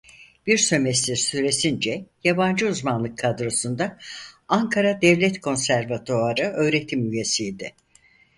Bir sömestr süresince "yabancı uzmanlık" kadrosunda Ankara Devlet Konservatuvarı öğretim üyesiydi.